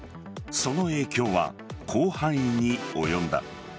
その影響は広範囲に及んだ。